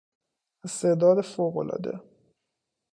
استعداد فوقالعاده